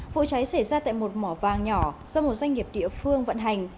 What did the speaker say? vụ cháy xảy ra tại một mỏ vàng nhỏ do một doanh nghiệp địa phương vận hành